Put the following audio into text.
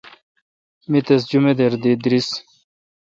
می تس جمدار دی درس۔